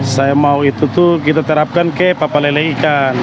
saya mau itu tuh kita terapkan ke papa lele ikan